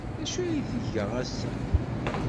D acu ay tga ass-a?